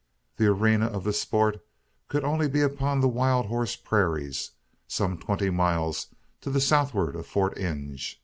The arena of the sport could only be upon the wild horse prairies some twenty miles to the southward of Fort Inge.